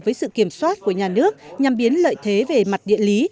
với sự kiểm soát của nhà nước nhằm biến lợi thế về mặt địa lý